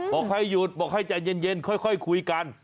บอกให้หยุดบอกให้ใจเย็นค่อยคุยกัน